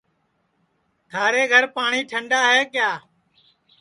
تھارے گھر پاٹؔی ٹھنڈا ہے کیا